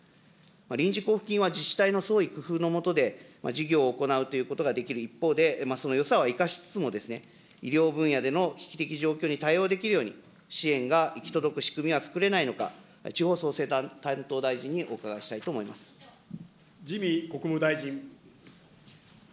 臨時交付金は自治体の創意工夫の下で事業を行うということができる一方で、そのよさを生かしつつ、医療分野での危機的状況に対応できるように、支援が行き届く仕組みは作れないのか、地方創生担当自見国務大臣。